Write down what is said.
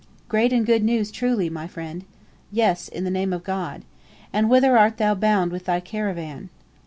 "Great and good news truly, my friend." "Yes in the name of God." "And whither art thou bound with thy caravan?"